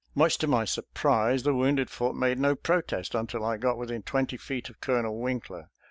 Much to my surprise, the wounded foot made no protest until I got within twenty feet of Colonel Winkler.